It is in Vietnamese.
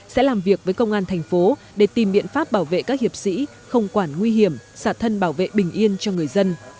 sẽ làm việc với công an thành phố để tìm biện pháp bảo vệ các hiệp sĩ không quản nguy hiểm xả thân bảo vệ bình yên cho người dân